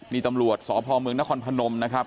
มีตำรวจสผนมนคน์พนมนะครับ